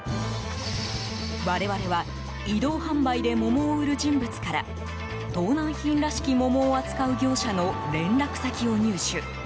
我々は移動販売で桃を売る人物から盗難品らしき桃を扱う業者の連絡先を入手。